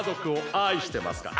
愛してます。